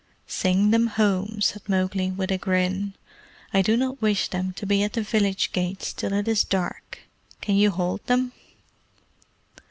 "Sing them home," said Mowgli, with a grin; "I do not wish them to be at the village gates till it is dark. Can ye hold them?"